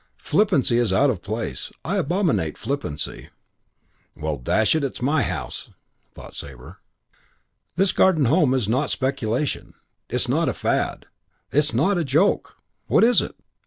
Flippancy is out of place. I abominate flippancy." ("Well, dash it, it's my house!" Sabre thought.) "This Garden Home is not a speculation. It's not a fad. It's not a joke. What is it?